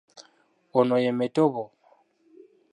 Ono ye Metobo.